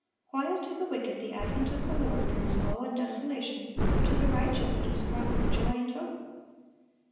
While to the wicked the advent of the Lord brings woe and desolation, to the righteous it is fraught with joy and hope.